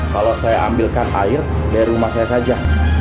kalau saya ambilkan air dari rumah saya saja